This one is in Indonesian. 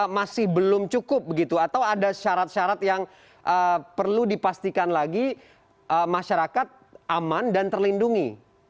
masih belum cukup begitu atau ada syarat syarat yang perlu dipastikan lagi masyarakat aman dan terlindungi